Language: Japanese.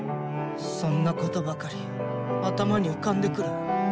そんなことばかり頭に浮かんでくる。